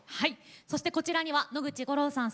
そしてこちらには野口五郎さん